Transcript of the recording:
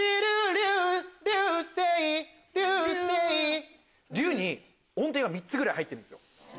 流ぅ星流ぅ星「流」に音程が３つぐらい入ってるんですよ。